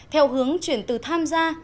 theo hướng chuyển từ tham gia